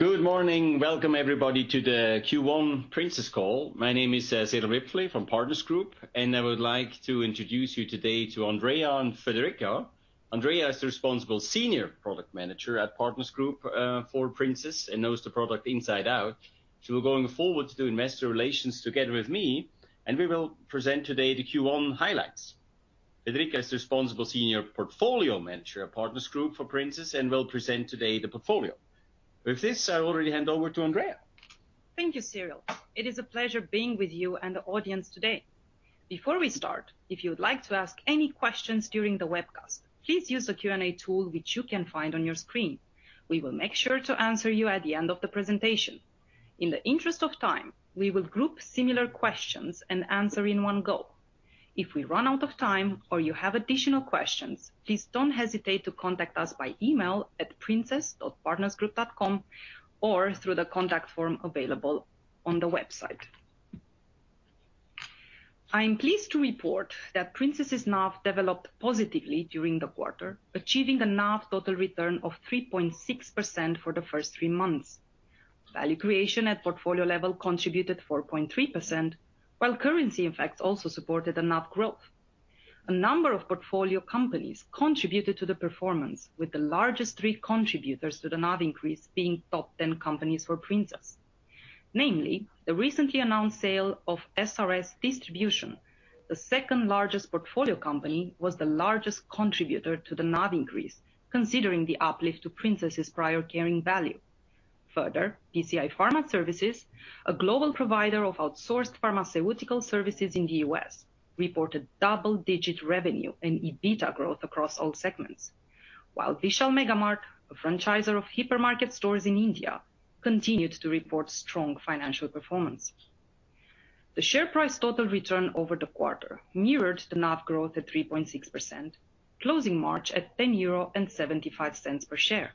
Good morning. Welcome, everybody, to the Q1 Princess call. My name is, Cyrill Wipfli from Partners Group, and I would like to introduce you today to Andreea and Federica. Andreea is the responsible senior product manager at Partners Group, for Princess and knows the product inside out. She will going forward to do investor relations together with me, and we will present today the Q1 highlights. Federica is the responsible senior portfolio manager at Partners Group for Princess, and will present today the portfolio. With this, I already hand over to Andreea. Thank you, Cyrill. It is a pleasure being with you and the audience today. Before we start, if you would like to ask any questions during the webcast, please use the Q&A tool, which you can find on your screen. We will make sure to answer you at the end of the presentation. In the interest of time, we will group similar questions and answer in one go. If we run out of time or you have additional questions, please don't hesitate to contact us by email at investors.partnersgroup.com, or through the contact form available on the website. I am pleased to report that Partners' NAV developed positively during the quarter, achieving a NAV total return of 3.6% for the first three months. Value creation at portfolio level contributed 4.3%, while currency effects, also supported the NAV growth. A number of portfolio companies contributed to the performance, with the largest three contributors to the NAV increase being top 10 companies for Princess. Namely, the recently announced sale of SRS Distribution. The second largest portfolio company was the largest contributor to the NAV increase, considering the uplift to Princess's prior carrying value. Further, PCI Pharma Services, a global provider of outsourced pharmaceutical services in the U.S., reported double-digit revenue and EBITDA growth across all segments, while Vishal Mega Mart, a franchisor of hypermarket stores in India, continued to report strong financial performance. The share price total return over the quarter mirrored the NAV growth at 3.6%, closing March at 10.75 euro per share.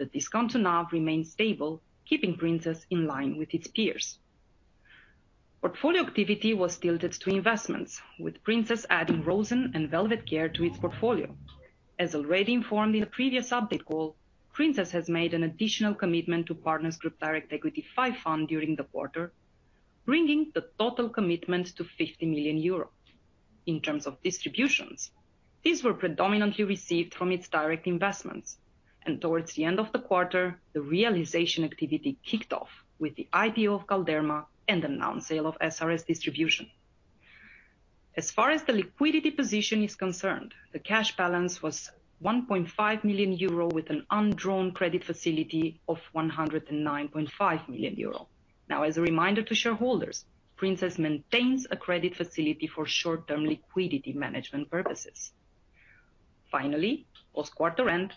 The discount to NAV remains stable, keeping Princess in line with its peers. Portfolio activity was tilted to investments, with Princess adding Rosen and Velvet Care to its portfolio. As already informed in the previous update call, Princess has made an additional commitment to Partners Group Direct Equity V fund during the quarter, bringing the total commitment to 50 million euros. In terms of distributions, these were predominantly received from its direct investments, and towards the end of the quarter, the realization activity kicked off with the IPO of Galderma and the announced sale of SRS Distribution. As far as the liquidity position is concerned, the cash balance was 1.5 million euro with an undrawn credit facility of 109.5 million euro. Now, as a reminder to shareholders, Princess maintains a credit facility for short-term liquidity management purposes. Finally, post-quarter end,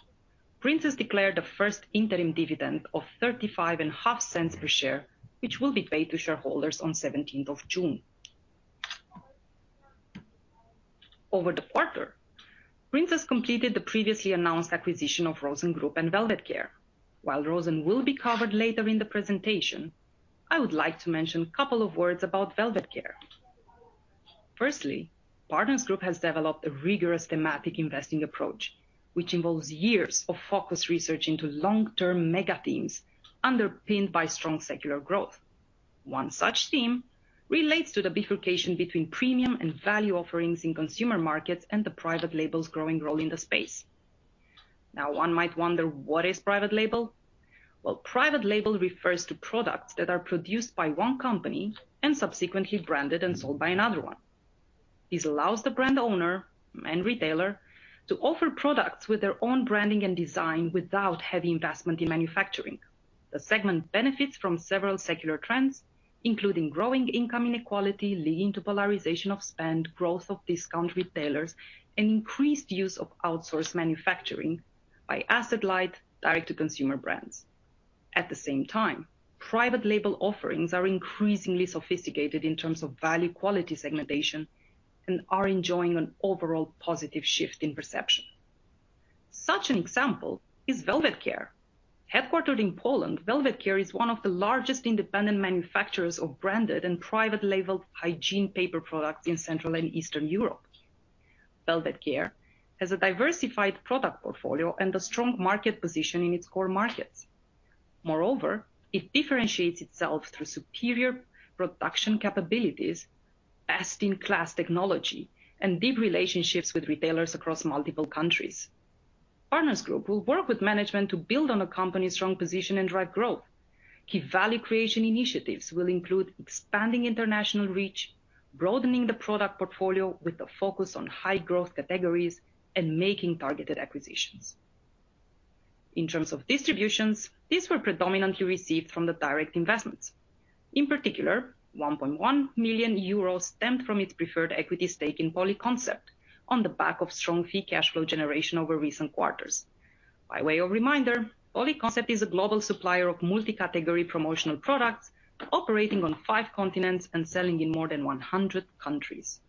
Princess declared the first interim dividend of 0.355 per share, which will be paid to shareholders on seventeenth of June. Over the quarter, Princess completed the previously announced acquisition of Rosen Group and Velvet Care. While Rosen will be covered later in the presentation, I would like to mention a couple of words about Velvet Care. Firstly, Partners Group has developed a rigorous thematic investing approach, which involves years of focused research into long-term mega themes underpinned by strong secular growth. One such theme relates to the bifurcation between premium and value offerings in consumer markets and the private label's growing role in the space. Now, one might wonder, what is private label? Well, private label refers to products that are produced by one company and subsequently branded and sold by another one. This allows the brand owner and retailer to offer products with their own branding and design without heavy investment in manufacturing. The segment benefits from several secular trends, including growing income inequality, leading to polarization of spend, growth of discount retailers, and increased use of outsourced manufacturing by asset-light, direct-to-consumer brands. At the same time, private label offerings are increasingly sophisticated in terms of value quality segmentation and are enjoying an overall positive shift in perception. Such an example is Velvet Care. Headquartered in Poland, Velvet Care is one of the largest independent manufacturers of branded and private labeled hygiene paper products in Central and Eastern Europe. Velvet Care has a diversified product portfolio and a strong market position in its core markets. Moreover, it differentiates itself through superior production capabilities, best-in-class technology, and deep relationships with retailers across multiple countries. Partners Group will work with management to build on the company's strong position and drive growth. Key value creation initiatives will include expanding international reach, broadening the product portfolio with a focus on high-growth categories, and making targeted acquisitions. In terms of distributions, these were predominantly received from the direct investments. In particular, 1.1 million euros stemmed from its preferred equity stake in Polyconcept on the back of strong free cash flow generation over recent quarters. By way of reminder, Polyconcept is a global supplier of multi-category promotional products, operating on five continents and selling in more than 100 countries.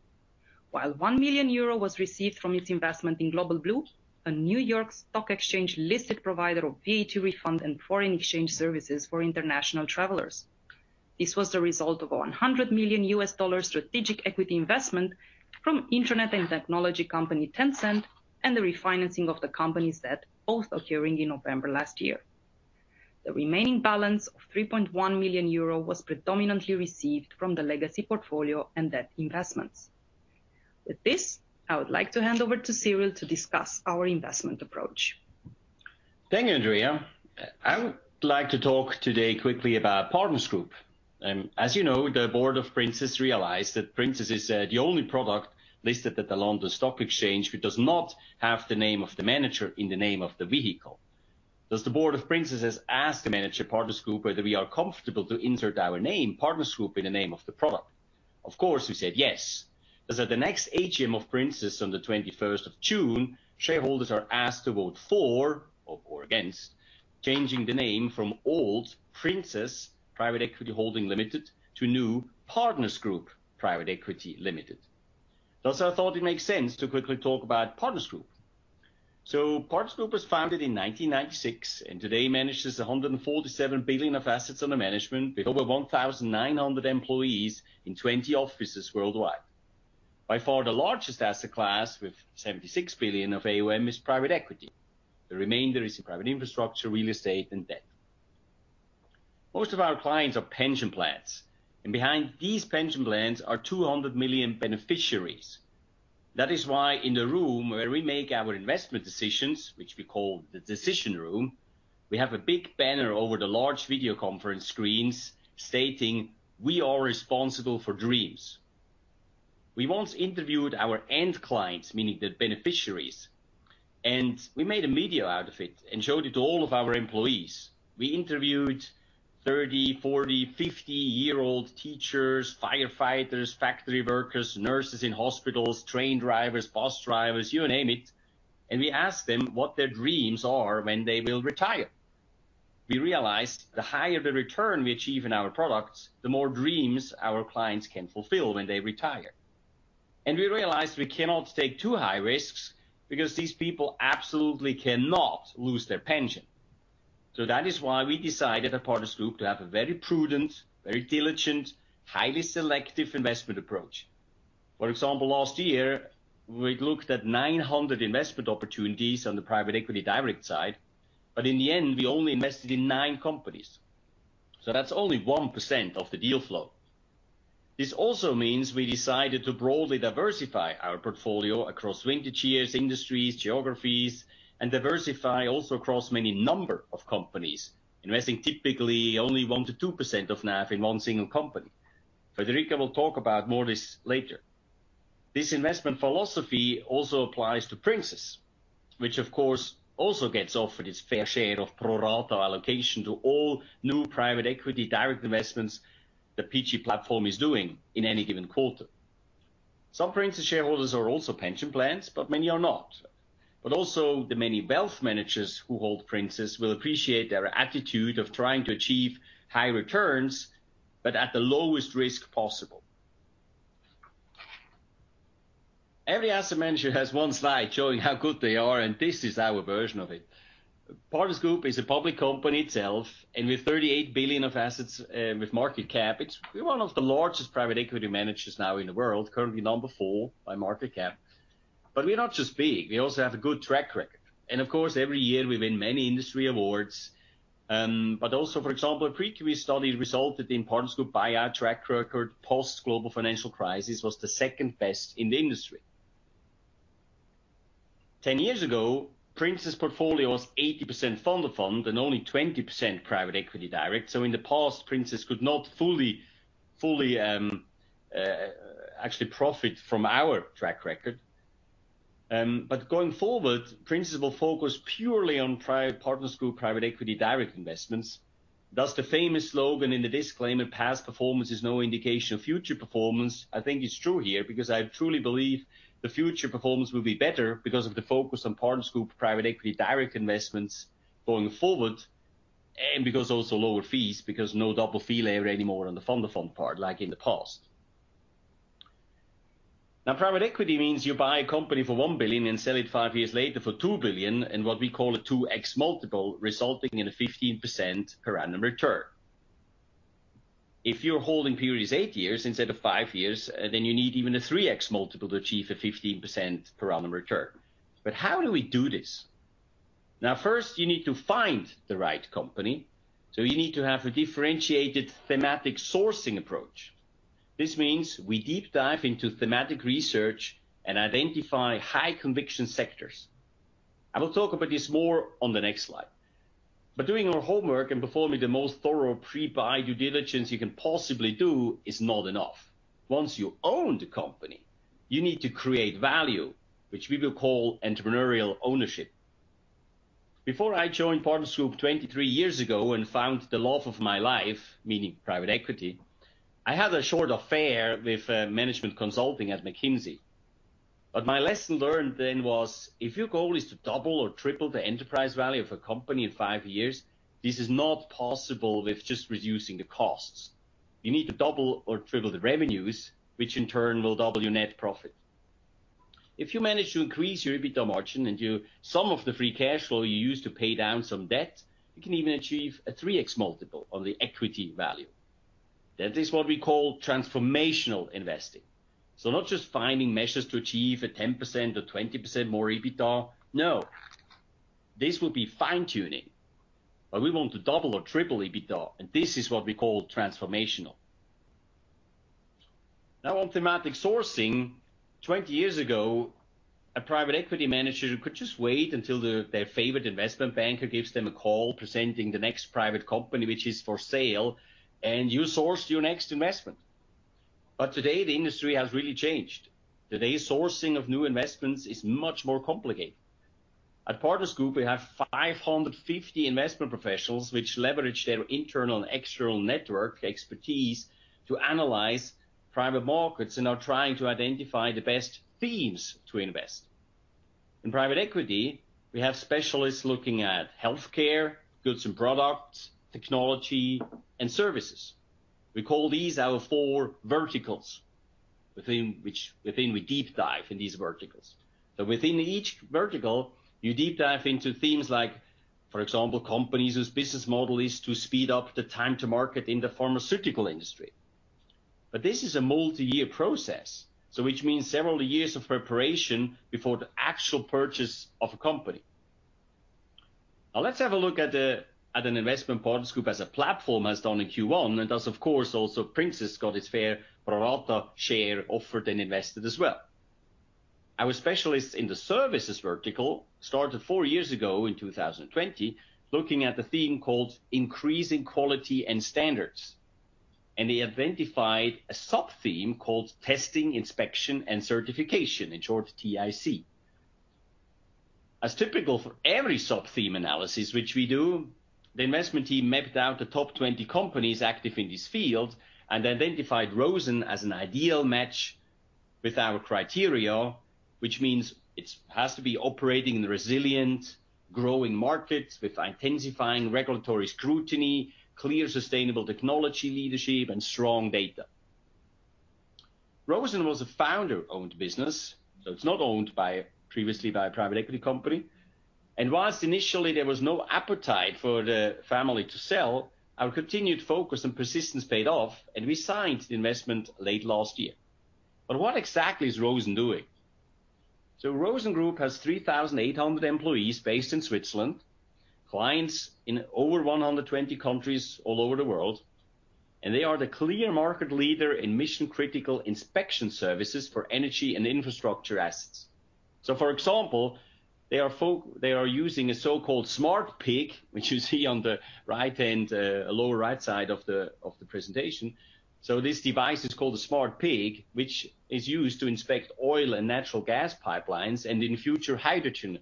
While 1 million euro was received from its investment in Global Blue, a New York Stock Exchange-listed provider of VAT refund and foreign exchange services for international travelers. This was the result of $100 million strategic equity investment from internet and technology company, Tencent, and the refinancing of the company's debt, both occurring in November last year. The remaining balance of 3.1 million euro was predominantly received from the legacy portfolio and debt investments. With this, I would like to hand over to Cyrill to discuss our investment approach. Thank you, Andreea. I would like to talk today quickly about Partners Group. As you know, the board of Princess realized that Princess is the only product listed at the London Stock Exchange, which does not have the name of the manager in the name of the vehicle. Thus, the board of Princess has asked the manager, Partners Group, whether we are comfortable to insert our name, Partners Group, in the name of the product. Of course, we said yes. Thus, at the next AGM of Princess on the twenty-first of June, shareholders are asked to vote for or against changing the name from old, Princess Private Equity Holding Limited, to new, Partners Group Private Equity Limited. Thus, I thought it makes sense to quickly talk about Partners Group. So Partners Group was founded in 1996, and today manages $147 billion of assets under management, with over 1,900 employees in 20 offices worldwide. By far, the largest asset class, with $76 billion of AUM, is private equity. The remainder is in private infrastructure, real estate, and debt. Most of our clients are pension plans, and behind these pension plans are 200 million beneficiaries. That is why in the room where we make our investment decisions, which we call the decision room, we have a big banner over the large video conference screens stating, "We are responsible for dreams." We once interviewed our end clients, meaning the beneficiaries, and we made a video out of it and showed it to all of our employees. We interviewed 30-, 40-, 50-year-old teachers, firefighters, factory workers, nurses in hospitals, train drivers, bus drivers, you name it, and we asked them what their dreams are when they will retire. We realized the higher the return we achieve in our products, the more dreams our clients can fulfill when they retire. We realized we cannot take too high risks, because these people absolutely cannot lose their pension. That is why we decided at Partners Group to have a very prudent, very diligent, highly selective investment approach. For example, last year, we looked at 900 investment opportunities on the private equity direct side, but in the end, we only invested in nine companies. That's only 1% of the deal flow. This also means we decided to broadly diversify our portfolio across vintages, industries, geographies, and diversify also across many number of companies, investing typically only 1%-2% of NAV in one single company. Federica will talk about more this later. This investment philosophy also applies to Princess, which of course, also gets offered its fair share of pro rata allocation to all new private equity direct investments the PG platform is doing in any given quarter. Some Princess shareholders are also pension plans, but many are not. But also, the many wealth managers who hold Princess will appreciate their attitude of trying to achieve high returns, but at the lowest risk possible. Every asset manager has one slide showing how good they are, and this is our version of it. Partners Group is a public company itself, and with $38 billion of assets, with market cap, we're one of the largest private equity managers now in the world, currently number 4 by market cap. But we're not just big, we also have a good track record. And of course, every year we win many industry awards. But also, for example, a Preqin study resulted in Partners Group buyout track record, post global financial crisis, was the second best in the industry. 10 years ago, Partners portfolio was 80% fund of fund and only 20% private equity direct. So in the past, Partners could not fully, fully, actually profit from our track record. But going forward, Partners will focus purely on private Partners Group, private equity, direct investments. Thus, the famous slogan in the disclaimer, "Past performance is no indication of future performance," I think is true here, because I truly believe the future performance will be better because of the focus on Partners Group, private equity, direct investments going forward, and because also lower fees, because no double fee layer anymore on the fund of fund part, like in the past. Now, private equity means you buy a company for $1 billion and sell it 5 years later for $2 billion, in what we call a 2x multiple, resulting in a 15% per annum return. If your holding period is 8 years instead of 5 years, then you need even a 3x multiple to achieve a 15% per annum return. But how do we do this? Now, first, you need to find the right company, so you need to have a differentiated thematic sourcing approach. This means we deep dive into thematic research and identify high conviction sectors. I will talk about this more on the next slide. But doing our homework and performing the most thorough pre-buy due diligence you can possibly do, is not enough. Once you own the company, you need to create value, which we will call entrepreneurial ownership. Before I joined Partners Group 23 years ago and found the love of my life, meaning private equity, I had a short affair with management consulting at McKinsey. But my lesson learned then was, if your goal is to double or triple the enterprise value of a company in 5 years, this is not possible with just reducing the costs. You need to double or triple the revenues, which in turn will double your net profit. If you manage to increase your EBITDA margin and some of the free cash flow you use to pay down some debt, you can even achieve a 3x multiple on the equity value. That is what we call transformational investing. So not just finding measures to achieve a 10% or 20% more EBITDA. No, this will be fine-tuning, but we want to double or triple EBITDA, and this is what we call transformational. Now, on thematic sourcing, 20 years ago, a private equity manager could just wait until the, their favorite investment banker gives them a call presenting the next private company, which is for sale, and you sourced your next investment. But today, the industry has really changed. Today's sourcing of new investments is much more complicated. At Partners Group, we have 550 investment professionals, which leverage their internal and external network expertise to analyze private markets and are trying to identify the best themes to invest. In private equity, we have specialists looking at healthcare, goods and products, technology, and services. We call these our four verticals, within which we deep dive in these verticals. So within each vertical, you deep dive into themes like, for example, companies whose business model is to speed up the time to market in the pharmaceutical industry. But this is a multi-year process, so which means several years of preparation before the actual purchase of a company. Now, let's have a look at an investment Partners Group, as a platform, has done in Q1, and thus, of course, also Princess got its fair pro rata share offered and invested as well. Our specialists in the services vertical started 4 years ago, in 2020, looking at a theme called increasing quality and standards, and they identified a sub-theme called testing, inspection, and certification. In short, TIC. As typical for every sub-theme analysis which we do, the investment team mapped out the top 20 companies active in this field and identified Rosen as an ideal match with our criteria, which means it has to be operating in a resilient, growing market with intensifying regulatory scrutiny, clear sustainable technology leadership, and strong data. Rosen was a founder-owned business, so it's not owned by, previously by a private equity company. And while initially there was no appetite for the family to sell, our continued focus and persistence paid off, and we signed the investment late last year. But what exactly is Rosen doing? So Rosen Group has 3,800 employees based in Switzerland, clients in over 120 countries all over the world, and they are the clear market leader in mission-critical inspection services for energy and infrastructure assets. So for example, they are using a so-called Smart Pig, which you see on the right-hand lower right side of the presentation. So this device is called a Smart Pig, which is used to inspect oil and natural gas pipelines, and in the future, hydrogen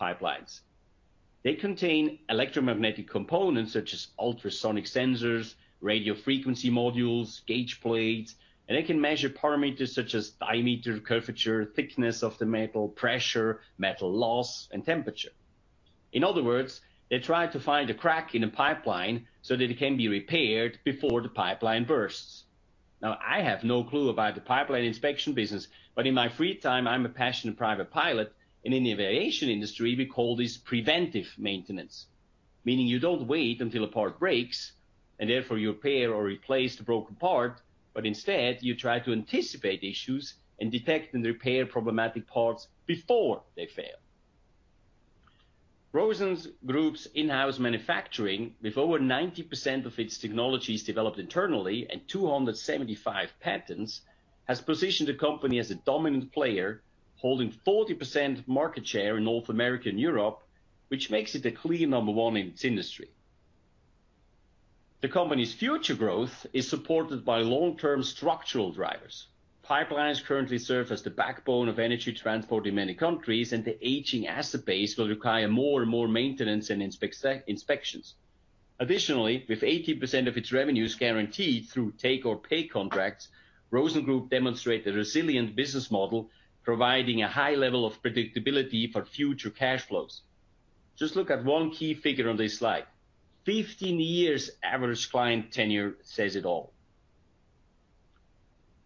pipelines. They contain electromagnetic components such as ultrasonic sensors, radio frequency modules, gauge plates, and they can measure parameters such as diameter, curvature, thickness of the metal, pressure, metal loss, and temperature. In other words, they try to find a crack in a pipeline so that it can be repaired before the pipeline bursts. Now, I have no clue about the pipeline inspection business, but in my free time, I'm a passionate private pilot, and in the aviation industry, we call this preventive maintenance. Meaning, you don't wait until a part breaks, and therefore you repair or replace the broken part, but instead, you try to anticipate issues and detect and repair problematic parts before they fail. Rosen Group's in-house manufacturing, with over 90% of its technologies developed internally and 275 patents, has positioned the company as a dominant player, holding 40% market share in North America and Europe, which makes it the clear number one in its industry. The company's future growth is supported by long-term structural drivers. Pipelines currently serve as the backbone of energy transport in many countries, and the aging asset base will require more and more maintenance and inspections. Additionally, with 80% of its revenues guaranteed through take-or-pay contracts, Rosen Group demonstrate a resilient business model, providing a high level of predictability for future cash flows. Just look at one key figure on this slide. 15 years average client tenure says it all.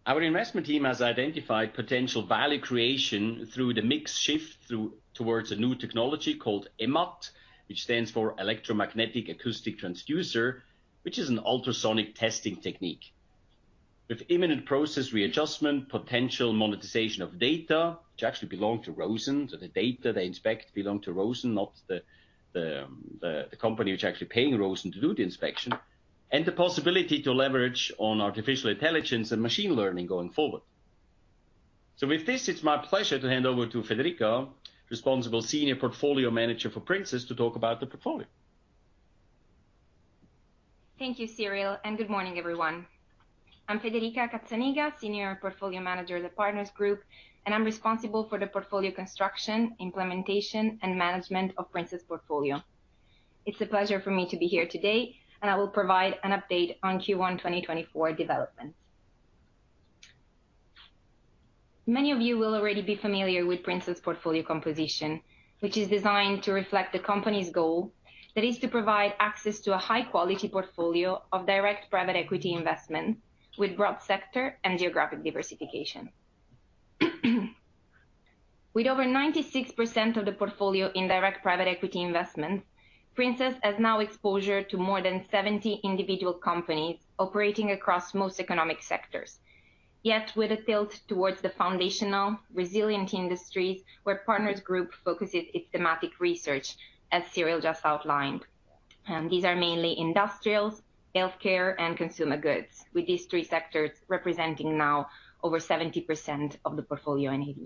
Our investment team has identified potential value creation through the mix shift towards a new technology called EMAT, which stands for Electromagnetic Acoustic Transducer, which is an ultrasonic testing technique. With imminent process readjustment, potential monetization of data, which actually belong to Rosen, so the data they inspect belong to Rosen not the company which is actually paying Rosen to do the inspection, and the possibility to leverage on artificial intelligence and machine learning going forward. So with this, it's my pleasure to hand over to Federica, responsible senior portfolio manager for Princess, to talk about the portfolio. Thank you, Cyrill, and good morning, everyone. I'm Federica Cazzaniga, senior portfolio manager at the Partners Group, and I'm responsible for the portfolio construction, implementation, and management of Princess portfolio. It's a pleasure for me to be here today, and I will provide an update on Q1 2024 developments. Many of you will already be familiar with Princess portfolio composition, which is designed to reflect the company's goal, that is to provide access to a high-quality portfolio of direct private equity investment with broad sector and geographic diversification. ... With over 96% of the portfolio in direct private equity investment, Princess has now exposure to more than 70 individual companies operating across most economic sectors. Yet with a tilt towards the foundational resilient industries, where Partners Group focuses its thematic research, as Cyrill just outlined. These are mainly industrials, healthcare, and consumer goods, with these three sectors representing now over 70% of the portfolio NAV.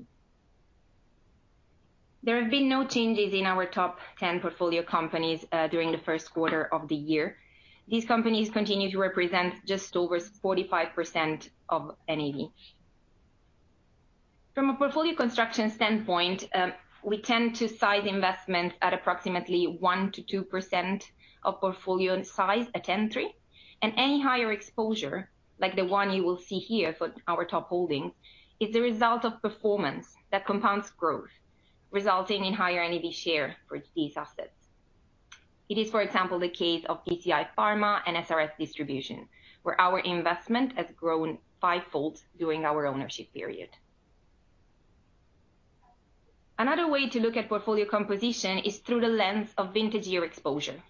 There have been no changes in our top 10 portfolio companies during the first quarter of the year. These companies continue to represent just over 45% of NAV. From a portfolio construction standpoint, we tend to size investment at approximately 1%-2% of portfolio size at entry, and any higher exposure, like the one you will see here for our top holdings, is the result of performance that compounds growth, resulting in higher NAV share for these assets. It is, for example, the case of PCI Pharma and SRS Distribution, where our investment has grown fivefold during our ownership period. Another way to look at portfolio composition is through the lens of vintage year exposure.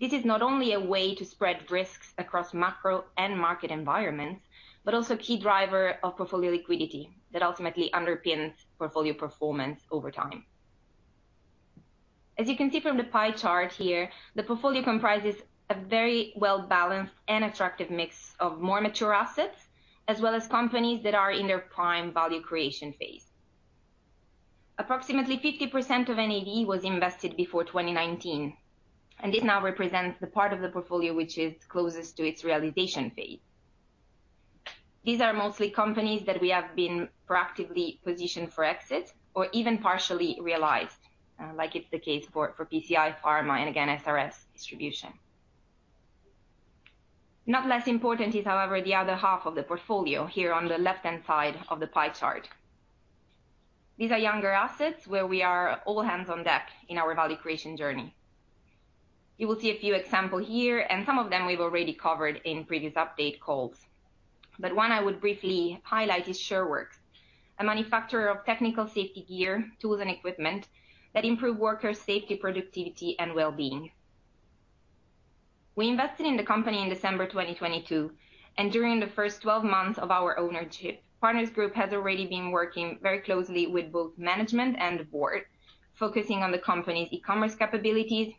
This is not only a way to spread risks across macro and market environments, but also a key driver of portfolio liquidity that ultimately underpins portfolio performance over time. As you can see from the pie chart here, the portfolio comprises a very well-balanced and attractive mix of more mature assets, as well as companies that are in their prime value creation phase. Approximately 50% of NAV was invested before 2019, and this now represents the part of the portfolio which is closest to its realization phase. These are mostly companies that we have been proactively positioned for exit or even partially realized, like it's the case for PCI Pharma and again, SRS Distribution. Not less important is, however, the other half of the portfolio here on the left-hand side of the pie chart. These are younger assets where we are all hands on deck in our value creation journey. You will see a few example here, and some of them we've already covered in previous update calls. But one I would briefly highlight is SureWerx, a manufacturer of technical safety gear, tools, and equipment that improve worker safety, productivity, and well-being. We invested in the company in December 2022, and during the first 12 months of our ownership, Partners Group has already been working very closely with both management and the board, focusing on the company's e-commerce capabilities,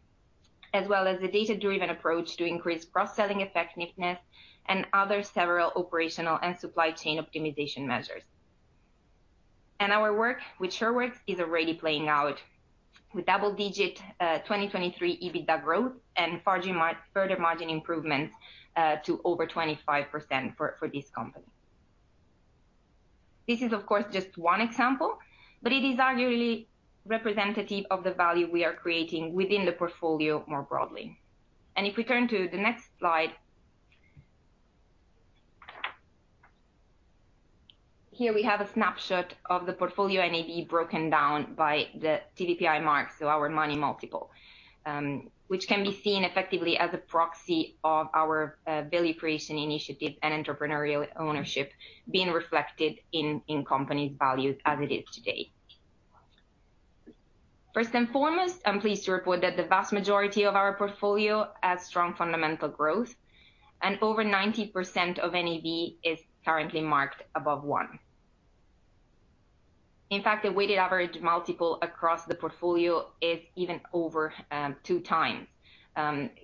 as well as the data-driven approach to increase cross-selling effectiveness and other several operational and supply chain optimization measures. And our work with SureWerx is already playing out with double-digit 2023 EBITDA growth and further margin improvements to over 25% for this company. This is, of course, just one example, but it is arguably representative of the value we are creating within the portfolio more broadly. And if we turn to the next slide... here we have a snapshot of the portfolio NAV broken down by the TVPI marks, so our money multiple, which can be seen effectively as a proxy of our value creation initiative and entrepreneurial ownership being reflected in company's values as it is today. First and foremost, I'm pleased to report that the vast majority of our portfolio has strong fundamental growth, and over 90% of NAV is currently marked above 1. In fact, the weighted average multiple across the portfolio is even over 2x,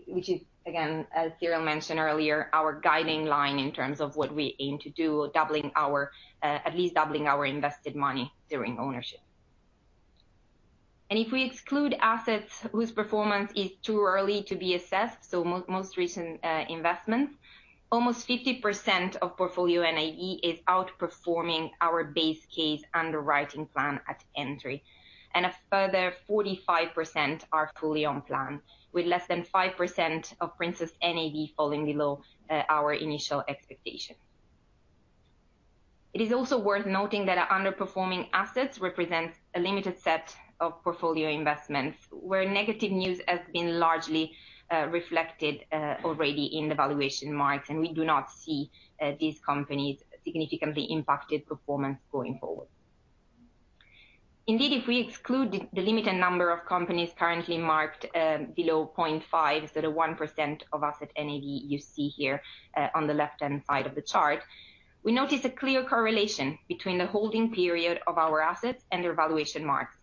which is, again, as Cyrill mentioned earlier, our guiding line in terms of what we aim to do, doubling our... at least doubling our invested money during ownership. If we exclude assets whose performance is too early to be assessed, so most recent investments, almost 50% of portfolio NAV is outperforming our base case underwriting plan at entry, and a further 45% are fully on plan, with less than 5% of portfolio NAV falling below our initial expectation. It is also worth noting that our underperforming assets represent a limited set of portfolio investments, where negative news has been largely reflected already in the valuation marks, and we do not see these companies significantly impacted performance going forward. Indeed, if we exclude the limited number of companies currently marked below 0.5, so the 1% of asset NAV you see here on the left-hand side of the chart, we notice a clear correlation between the holding period of our assets and their valuation marks,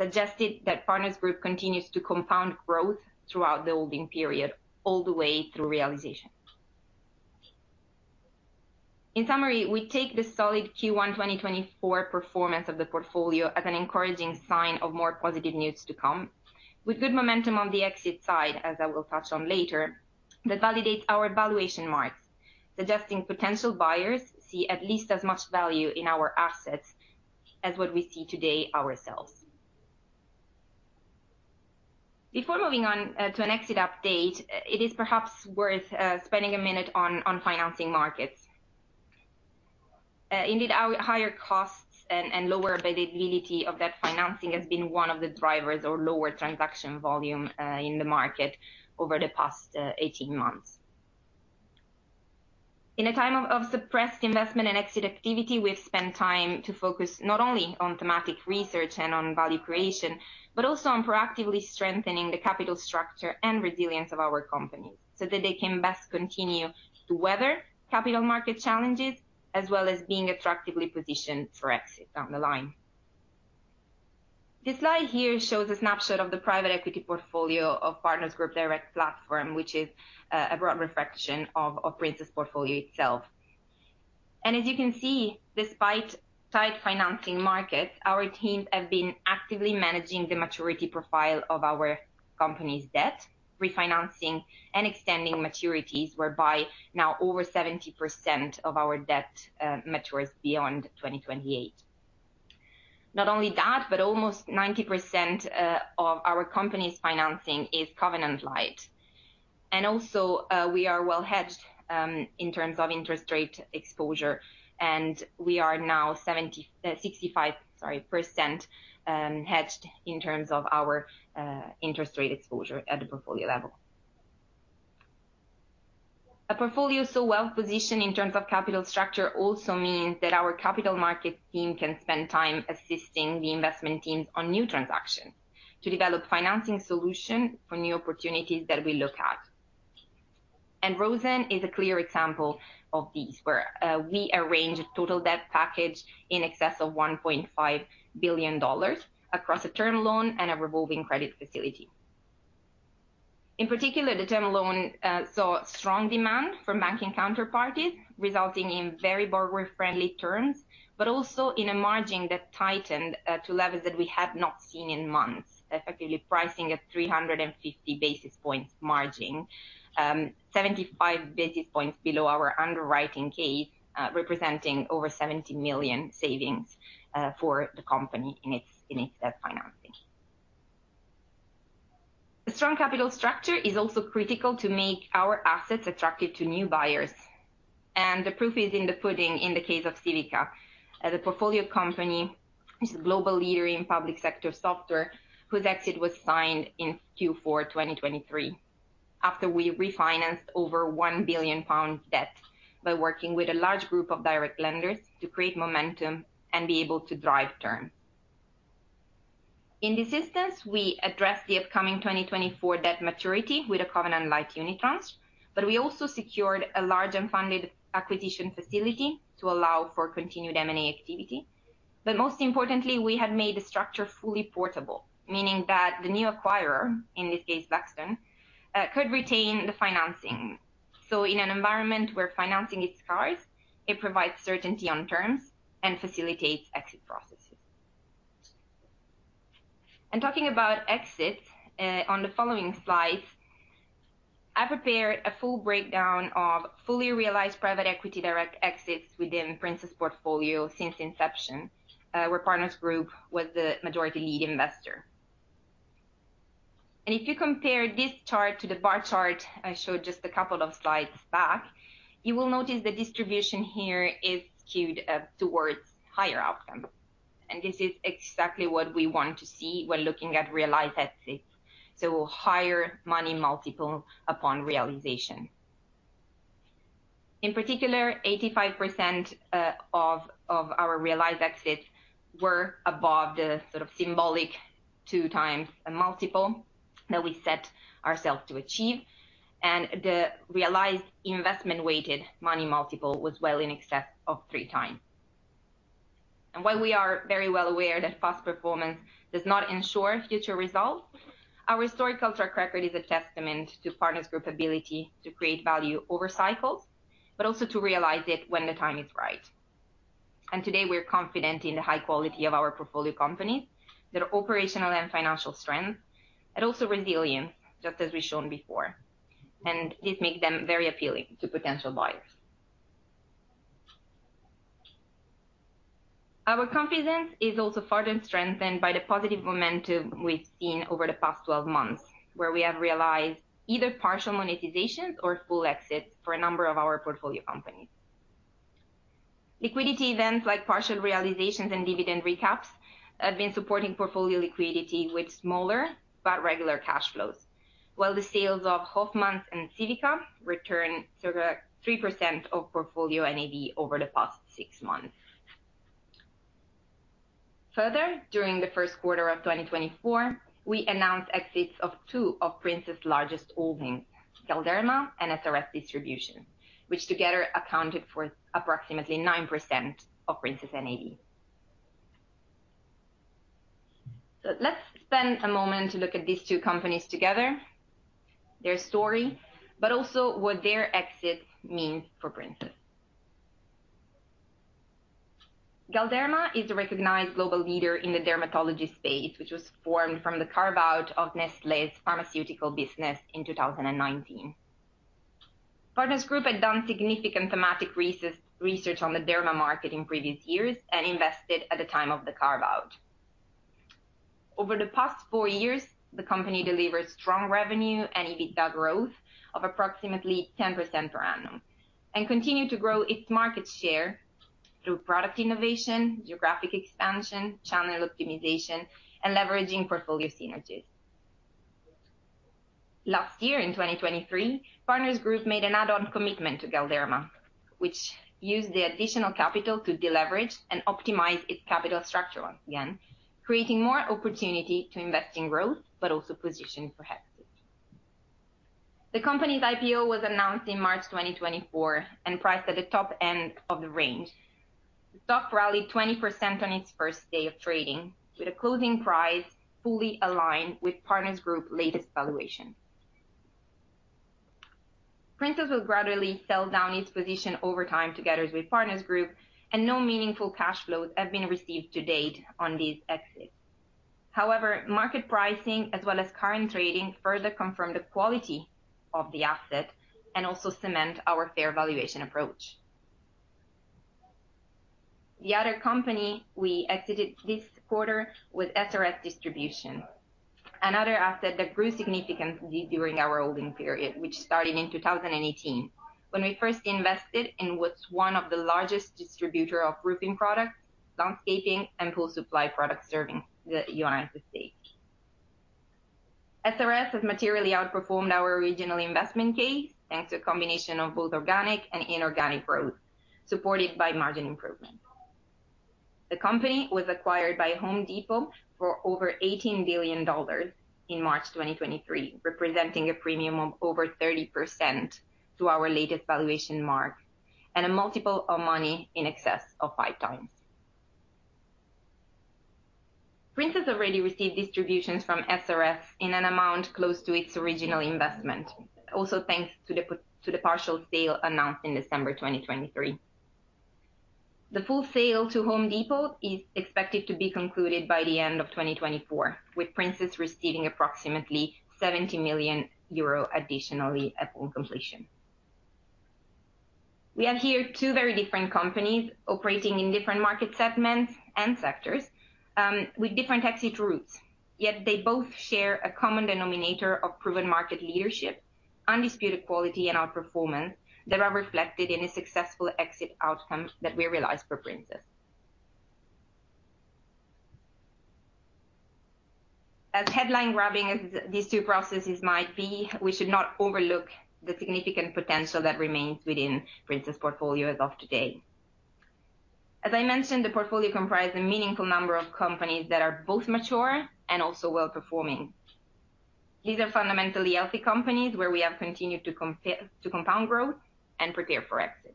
suggesting that Partners Group continues to compound growth throughout the holding period, all the way through realization. In summary, we take the solid Q1 2024 performance of the portfolio as an encouraging sign of more positive news to come. With good momentum on the exit side, as I will touch on later, that validates our valuation marks, suggesting potential buyers see at least as much value in our assets as what we see today ourselves. Before moving on to an exit update, it is perhaps worth spending a minute on financing markets. Indeed, our higher costs and lower availability of that financing has been one of the drivers of lower transaction volume in the market over the past 18 months. In a time of suppressed investment and exit activity, we've spent time to focus not only on thematic research and on value creation, but also on proactively strengthening the capital structure and resilience of our company, so that they can best continue to weather capital market challenges, as well as being attractively positioned for exit down the line. This slide here shows a snapshot of the private equity portfolio of Partners Group direct platform, which is a broad reflection of Princess's portfolio itself. As you can see, despite tight financing markets, our teams have been actively managing the maturity profile of our company's debt, refinancing and extending maturities, whereby now over 70% of our debt matures beyond 2028. Not only that, but almost 90% of our company's financing is covenant light. Also, we are well hedged in terms of interest rate exposure, and we are now 65%, hedged in terms of our interest rate exposure at the portfolio level. A portfolio so well positioned in terms of capital structure also means that our capital market team can spend time assisting the investment teams on new transactions to develop financing solution for new opportunities that we look at. Rosen is a clear example of this, where we arranged a total debt package in excess of $1.5 billion across a term loan and a revolving credit facility. In particular, the term loan saw strong demand from banking counterparties, resulting in very borrower-friendly terms, but also in a margin that tightened to levels that we had not seen in months, effectively pricing at 350 basis points margin, 75 basis points below our underwriting case, representing over $70 million savings for the company in its debt financing. A strong capital structure is also critical to make our assets attractive to new buyers, and the proof is in the pudding in the case of Civica, as a portfolio company, which is a global leader in public sector software, whose exit was signed in Q4 2023, after we refinanced over 1 billion pound debt by working with a large group of direct lenders to create momentum and be able to drive term. In this instance, we addressed the upcoming 2024 debt maturity with a covenant light unitranche, but we also secured a large unfunded acquisition facility to allow for continued M&A activity. But most importantly, we have made the structure fully portable, meaning that the new acquirer, in this case, Blackstone, could retain the financing. So in an environment where financing is scarce, it provides certainty on terms and facilitates exit processes. Talking about exits, on the following slides, I prepared a full breakdown of fully realized private equity direct exits within Partners' portfolio since inception, where Partners Group was the majority lead investor. If you compare this chart to the bar chart I showed just a couple of slides back, you will notice the distribution here is skewed towards higher outcome. This is exactly what we want to see when looking at realized exits, so higher money multiple upon realization. In particular, 85% of our realized exits were above the sort of symbolic 2x multiple that we set ourselves to achieve, and the realized investment-weighted money multiple was well in excess of 3x. While we are very well aware that past performance does not ensure future results, our historical track record is a testament to Partners Group's ability to create value over cycles, but also to realize it when the time is right. Today, we're confident in the high quality of our portfolio companies, their operational and financial strength, and also resilience, just as we've shown before. This makes them very appealing to potential buyers. Our confidence is also further strengthened by the positive momentum we've seen over the past 12 months, where we have realized either partial monetizations or full exits for a number of our portfolio companies. Liquidity events like partial realizations and dividend recaps have been supporting portfolio liquidity with smaller but regular cash flows, while the sales of Hofmann and Civica returned sort of 3% of portfolio NAV over the past 6 months. Further, during the first quarter of 2024, we announced exits of 2 of Princess's largest holdings, Galderma and SRS Distribution, which together accounted for approximately 9% of Princess's NAV. So let's spend a moment to look at these two companies together, their story, but also what their exits mean for Princess. Galderma is a recognized global leader in the dermatology space, which was formed from the carve-out of Nestlé's pharmaceutical business in 2019. Partners Group had done significant thematic research on the derma market in previous years and invested at the time of the carve-out. Over the past 4 years, the company delivered strong revenue and EBITDA growth of approximately 10% per annum, and continued to grow its market share through product innovation, geographic expansion, channel optimization, and leveraging portfolio synergies. Last year, in 2023, Partners Group made an add-on commitment to Galderma, which used the additional capital to deleverage and optimize its capital structure once again, creating more opportunity to invest in growth, but also positioning for exit. The company's IPO was announced in March 2024, and priced at the top end of the range. The stock rallied 20% on its first day of trading, with a closing price fully aligned with Partners Group latest valuation. Princess will gradually sell down its position over time, together with Partners Group, and no meaningful cash flows have been received to date on these exits. However, market pricing as well as current trading, further confirm the quality of the asset and also cement our fair valuation approach. The other company we exited this quarter was SRS Distribution, another asset that grew significantly during our holding period, which started in 2018, when we first invested in what's one of the largest distributor of roofing products, landscaping, and pool supply products serving the United States. SRS has materially outperformed our original investment case, thanks to a combination of both organic and inorganic growth, supported by margin improvement. The company was acquired by Home Depot for over $18 billion in March 2023, representing a premium of over 30% to our latest valuation mark, and a multiple of money in excess of 5x. Partners already received distributions from SRS in an amount close to its original investment. Also, thanks to the partial sale announced in December 2023. The full sale to Home Depot is expected to be concluded by the end of 2024, with Princess receiving approximately 70 million euro additionally upon completion. We have here two very different companies operating in different market segments and sectors, with different exit routes. Yet they both share a common denominator of proven market leadership, undisputed quality, and outperformance that are reflected in a successful exit outcome that we realized for Princess. As headline grabbing as these two processes might be, we should not overlook the significant potential that remains within Princess portfolio as of today. As I mentioned, the portfolio comprise a meaningful number of companies that are both mature and also well-performing. These are fundamentally healthy companies where we have continued to compound growth and prepare for exit.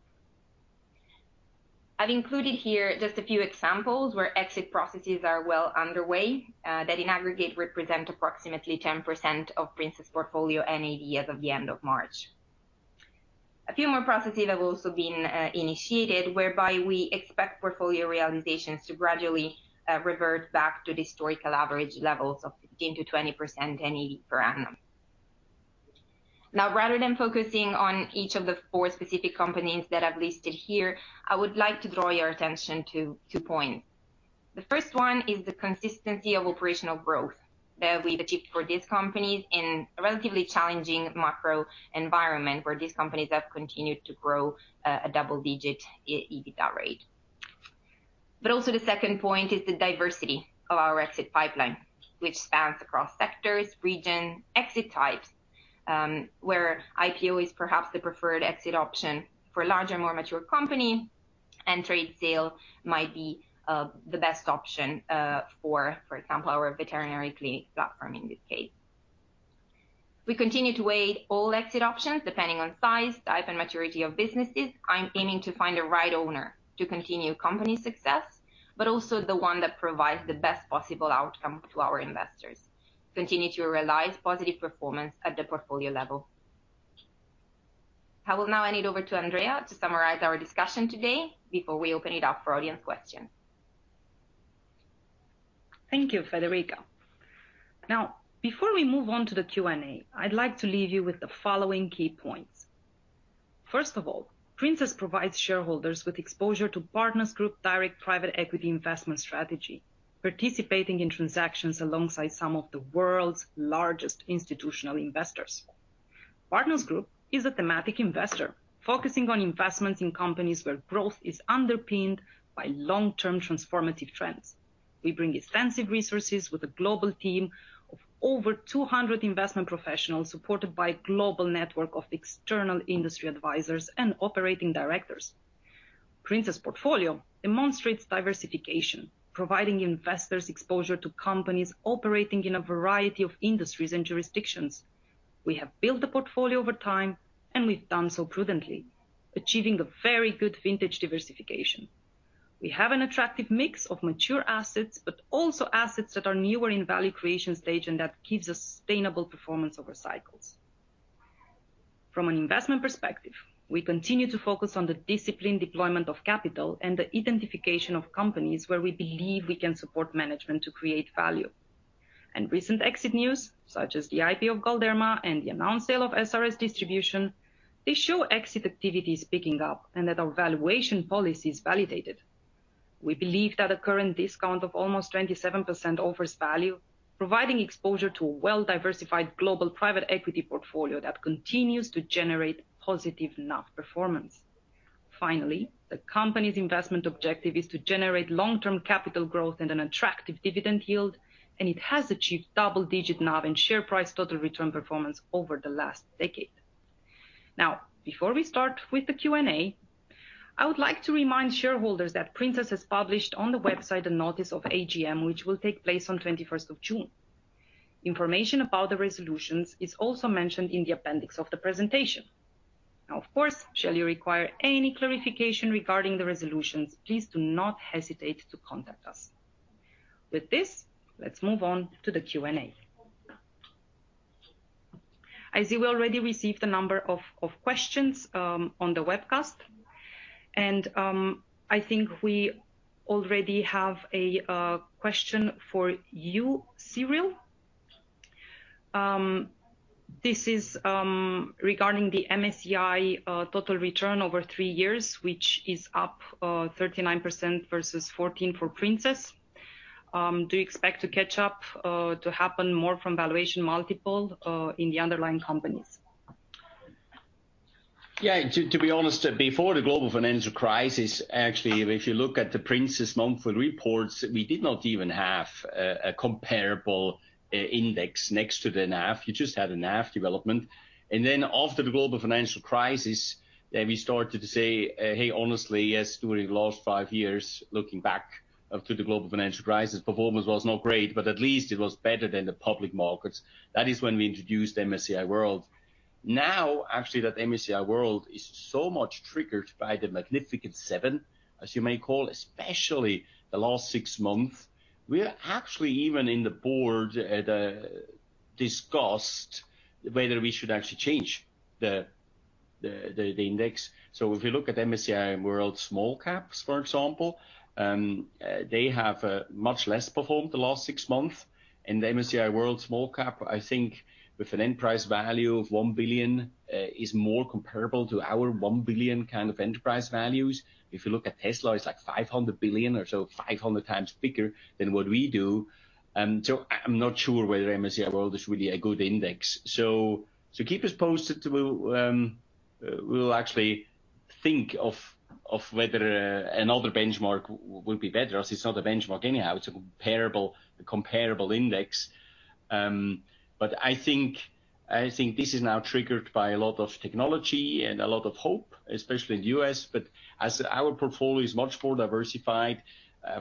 I've included here just a few examples where exit processes are well underway, that in aggregate, represent approximately 10% of Partners portfolio NAV as of the end of March. A few more processes have also been initiated, whereby we expect portfolio realizations to gradually revert back to the historical average levels of 15%-20% NAV per annum. Now, rather than focusing on each of the four specific companies that I've listed here, I would like to draw your attention to two points. The first one is the consistency of operational growth that we've achieved for these companies in a relatively challenging macro environment, where these companies have continued to grow a double-digit EBITDA rate. But also, the second point is the diversity of our exit pipeline, which spans across sectors, region, exit types, where IPO is perhaps the preferred exit option for a larger, more mature company, and trade sale might be the best option for example, our veterinary clinic platform in this case. We continue to weigh all exit options, depending on size, type, and maturity of businesses. I'm aiming to find the right owner to continue company success, but also the one that provides the best possible outcome to our investors, continue to realize positive performance at the portfolio level. I will now hand it over to Andreea to summarize our discussion today before we open it up for audience questions. Thank you, Federica. Now, before we move on to the Q&A, I'd like to leave you with the following key points. First of all, Princess provides shareholders with exposure to Partners Group direct private equity investment strategy, participating in transactions alongside some of the world's largest institutional investors. Partners Group is a thematic investor, focusing on investments in companies where growth is underpinned by long-term transformative trends. We bring extensive resources with a global team of over 200 investment professionals, supported by a global network of external industry advisors and operating directors. Princess portfolio demonstrates diversification, providing investors exposure to companies operating in a variety of industries and jurisdictions. We have built the portfolio over time, and we've done so prudently, achieving a very good vintage diversification. We have an attractive mix of mature assets, but also assets that are newer in value creation stage, and that gives us sustainable performance over cycles. From an investment perspective, we continue to focus on the disciplined deployment of capital and the identification of companies where we believe we can support management to create value. Recent exit news, such as the IPO of Galderma and the announced sale of SRS Distribution, they show exit activity is picking up and that our valuation policy is validated. We believe that a current discount of almost 27% offers value, providing exposure to a well-diversified global private equity portfolio that continues to generate positive enough performance…. Finally, the company's investment objective is to generate long-term capital growth and an attractive dividend yield, and it has achieved double-digit NAV and share price total return performance over the last decade. Now, before we start with the Q&A, I would like to remind shareholders that Partners has published on the website a notice of AGM, which will take place on twenty-first of June. Information about the resolutions is also mentioned in the appendix of the presentation. Now, of course, shall you require any clarification regarding the resolutions, please do not hesitate to contact us. With this, let's move on to the Q&A. I see we already received a number of questions on the webcast, and I think we already have a question for you, Cyrill. This is regarding the MSCI total return over three years, which is up 39% versus 14 for Partners. Do you expect to catch up to happen more from valuation multiple in the underlying companies? Yeah, to be honest, before the global financial crisis, actually, if you look at the Princess's monthly reports, we did not even have a comparable index next to the NAV. You just had a NAV development. And then after the global financial crisis, we started to say, "Hey, honestly, yes, during the last five years, looking back up to the global financial crisis, performance was not great, but at least it was better than the public markets." That is when we introduced MSCI World. Now, actually, that MSCI World is so much triggered by The Magnificent Seven, as you may call, especially the last six months. We are actually even in the board at discussed whether we should actually change the index. So if you look at MSCI World Small Caps, for example, they have much less performed the last six months. And the MSCI World Small Cap, I think, with an end price value of $1 billion, is more comparable to our $1 billion kind of enterprise values. If you look at Tesla, it's like $500 billion or so, 500 times bigger than what we do. So I, I'm not sure whether MSCI World is really a good index. So keep us posted, we will actually think of whether another benchmark will be better, or it's not a benchmark anyhow, it's a comparable, comparable index. But I think this is now triggered by a lot of technology and a lot of hope, especially in the US. But as our portfolio is much more diversified,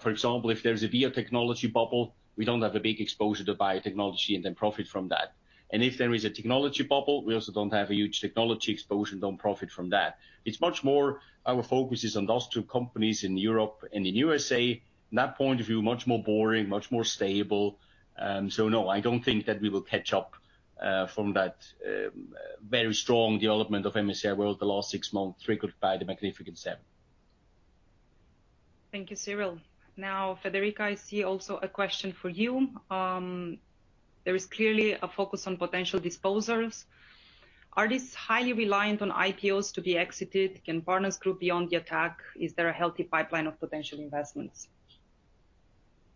for example, if there's a biotechnology bubble, we don't have a big exposure to biotechnology and then profit from that. And if there is a technology bubble, we also don't have a huge technology exposure, don't profit from that. It's much more our focus is on those two companies in Europe and in USA. In that point of view, much more boring, much more stable. So no, I don't think that we will catch up, from that, very strong development of MSCI World, the last six months, triggered by The Magnificent Seven. Thank you, Cyrill. Now, Federica, I see also a question for you. There is clearly a focus on potential disposals. Are these highly reliant on IPOs to be exited? Can Partners Group be on the attack? Is there a healthy pipeline of potential investments?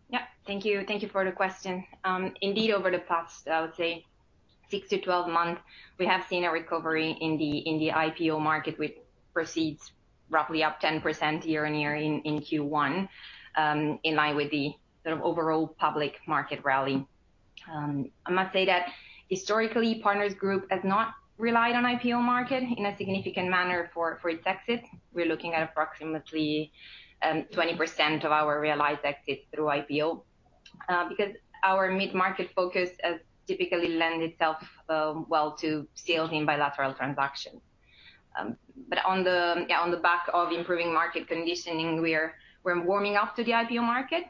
Yeah. Thank you. Thank you for the question. Indeed, over the past, I would say 6-12 months, we have seen a recovery in the IPO market, with proceeds roughly up 10% year-on-year in Q1, in line with the sort of overall public market rally. I must say that historically, Partners Group has not relied on IPO market in a significant manner for its exit. We're looking at approximately 20% of our realized exits through IPO, because our mid-market focus has typically lend itself well to sales in bilateral transactions. But on the back of improving market conditioning, we're warming up to the IPO market,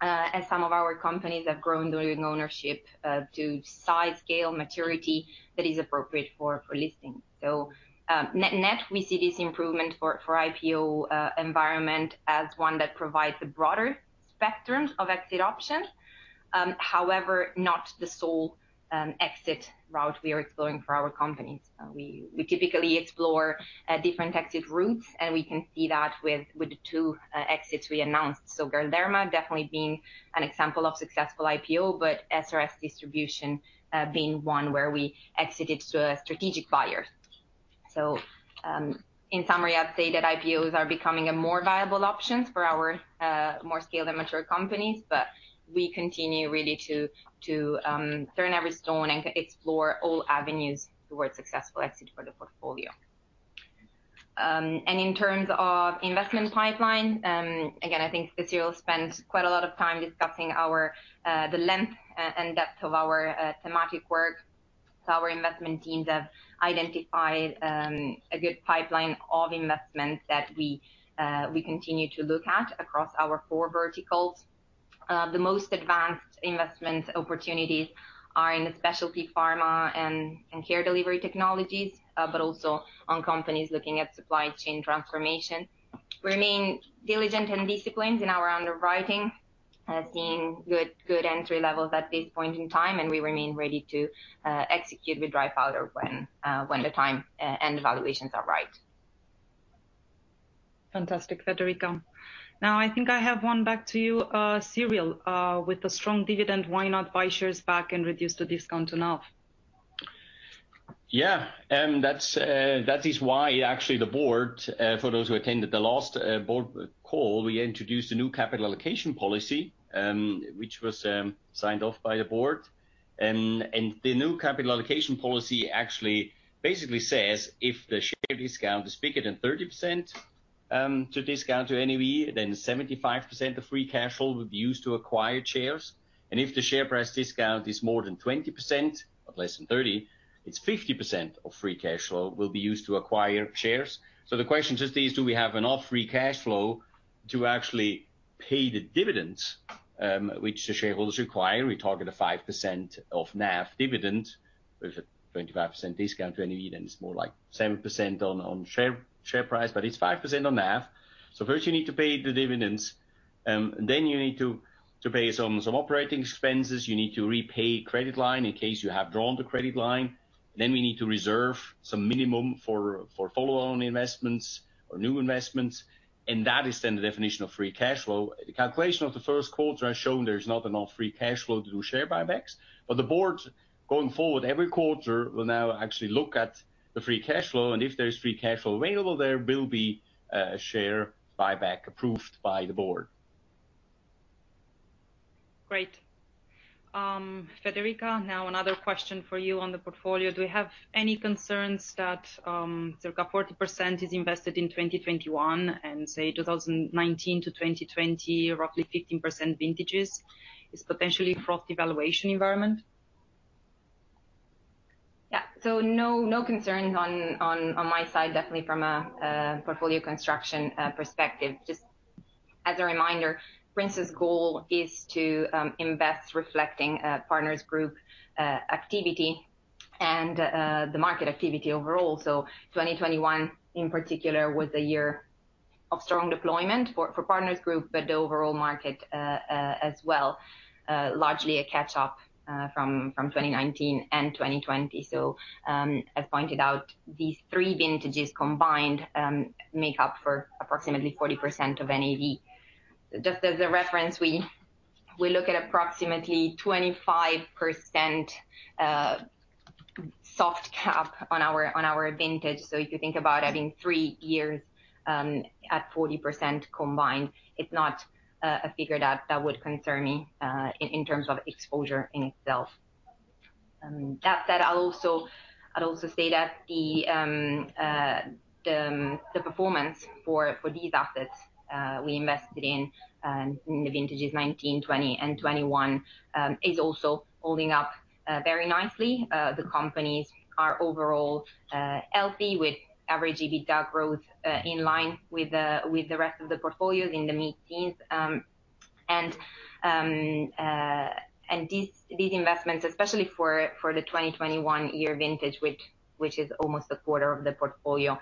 as some of our companies have grown during ownership to size, scale, maturity that is appropriate for listing. So, net net, we see this improvement for IPO environment as one that provides a broader spectrum of exit options, however, not the sole exit route we are exploring for our companies. We typically explore different exit routes, and we can see that with the two exits we announced. So Galderma definitely being an example of successful IPO, but SRS Distribution being one where we exited to a strategic buyer. So, in summary, I'd say that IPOs are becoming a more viable option for our more scaled and mature companies, but we continue really to turn every stone and explore all avenues towards successful exit for the portfolio. And in terms of investment pipeline, again, I think Cyrill spent quite a lot of time discussing our, the length and depth of our, thematic work. So our investment teams have identified, a good pipeline of investments that we continue to look at across our four verticals. The most advanced investment opportunities are in the specialty pharma and care delivery technologies, but also on companies looking at supply chain transformation. We remain diligent and disciplined in our underwriting, seeing good entry levels at this point in time, and we remain ready to execute with dry powder when the time and the valuations are right. Fantastic, Federica. Now, I think I have one back to you, Cyrill. With the strong dividend, why not buy shares back and reduce the discount to NAV?... Yeah, and that's, that is why actually the board, for those who attended the last board call, we introduced a new capital allocation policy, which was signed off by the board. And the new capital allocation policy actually basically says, if the share discount is bigger than 30% to discount to NAV, then 75% of free cash flow would be used to acquire shares. And if the share price discount is more than 20%, but less than 30, it's 50% of free cash flow will be used to acquire shares. So the question just is, do we have enough free cash flow to actually pay the dividends, which the shareholders require? We target a 5% of NAV dividend, with a 25% discount to NAV, then it's more like 7% on share price, but it's 5% on NAV. So first you need to pay the dividends, then you need to pay some operating expenses. You need to repay credit line in case you have drawn the credit line. Then we need to reserve some minimum for follow-on investments or new investments, and that is then the definition of free cash flow. The calculation of the first quarter has shown there is not enough free cash flow to do share buybacks, but the board, going forward, every quarter, will now actually look at the free cash flow, and if there is free cash flow available, there will be a share buyback approved by the board. Great. Federica, now another question for you on the portfolio. Do you have any concerns that, circa 40% is invested in 2021, and say, 2019 to 2020, roughly 15% vintages, is potentially fraught valuation environment? Yeah. So no concerns on my side, definitely from a portfolio construction perspective. Just as a reminder, Princess's goal is to invest reflecting Partners Group activity and the market activity overall. So 2021, in particular, was a year of strong deployment for Partners Group, but the overall market as well, largely a catch-up from 2019 and 2020. So as pointed out, these three vintages combined make up for approximately 40% of NAV. Just as a reference, we look at approximately 25% soft cap on our vintage. So if you think about having three years at 40% combined, it's not a figure that would concern me in terms of exposure in itself. That said, I'd also say that the performance for these assets we invested in the vintages 2019, 2020, and 2021 is also holding up very nicely. The companies are overall healthy, with average EBITDA growth in line with the rest of the portfolios in the mid-teens. And these investments, especially for the 2021 year vintage, which is almost a quarter of the portfolio,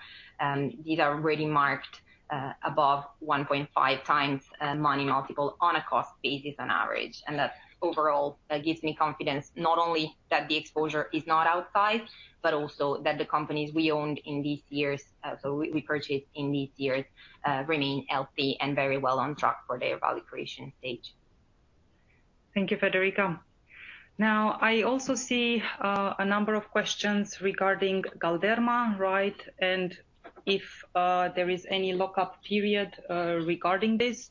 these are already marked above 1.5x money multiple on a cost basis on average. That overall, that gives me confidence not only that the exposure is not outsized, but also that the companies we owned in these years, so we purchased in these years, remain healthy and very well on track for their value creation stage. Thank you, Federica. Now, I also see, a number of questions regarding Galderma, right? And if, there is any lockup period, regarding this.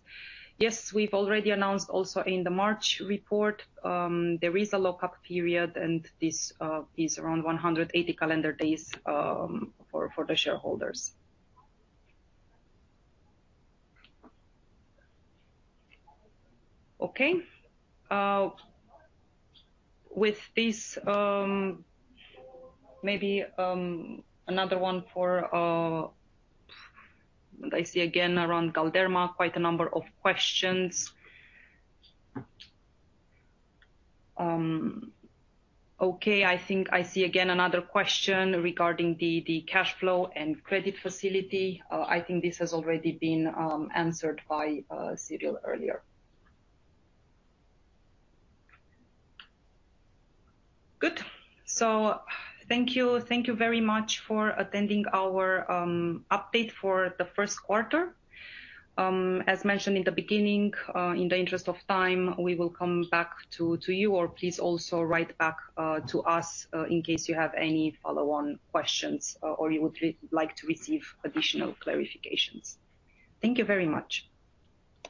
Yes, we've already announced also in the March report, there is a lockup period, and this, is around 180 calendar days, for the shareholders. Okay, with this, maybe, another one for... I see again, around Galderma, quite a number of questions. Okay, I think I see again, another question regarding the cash flow and credit facility. I think this has already been, answered by, Cyrill earlier. Good. So thank you. Thank you very much for attending our, update for the first quarter. As mentioned in the beginning, in the interest of time, we will come back to you, or please also write back to us, in case you have any follow-on questions, or you would like to receive additional clarifications. Thank you very much.